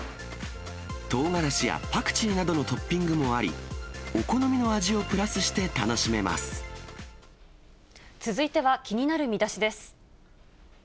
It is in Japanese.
とうがらしやパクチーなどのトッピングもあり、お好みの味を続いては気になるミダシです。